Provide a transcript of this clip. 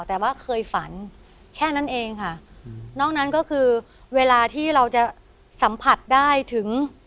แต่ว่าเคยฝันแค่นั้นเองค่ะนอกนั้นก็คือเวลาที่เราจะสัมผัสได้ถึง